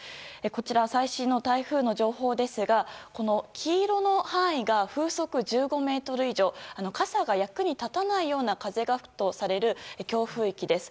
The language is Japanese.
こちら、最新の台風の情報ですが黄色の範囲が風速１５メートル以上傘が役に立たないような風が吹くとされる強風域です。